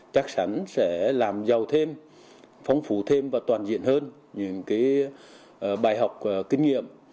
chắc chắn sẽ làm giàu thêm phong phú thêm và toàn diện hơn những bài học kinh nghiệm